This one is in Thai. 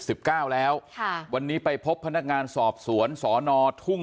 สิบเก้าแล้วค่ะวันนี้ไปพบพนักงานสอบสวนสอนอทุ่ง